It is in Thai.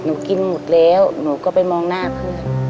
กินหมดแล้วหนูก็ไปมองหน้าเพื่อน